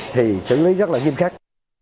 thì xử lý rất là nghiêm khắc